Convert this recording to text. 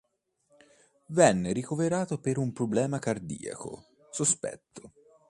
Vene ricoverato per un problema cardiaco sospetto.